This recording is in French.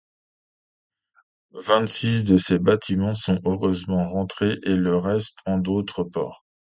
Vingt-six de ces bâtiments sont heureusement rentrés et le reste en d'autres ports.